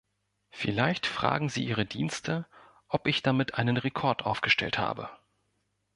Vielleicht fragen Sie Ihre Dienste, ob ich damit einen Rekord aufgestellt habe.